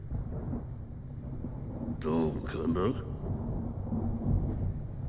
どうかな？